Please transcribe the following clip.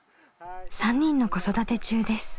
３人の子育て中です。